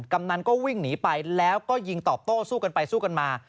กำนันก็วิ่งหนีไปแล้วก็ยิงตอบโต้สู้กันไปสู้กันมา